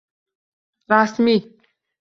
Rasmiy!